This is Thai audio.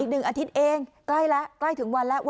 ๑อาทิตย์เองใกล้แล้วใกล้ถึงวันแล้ว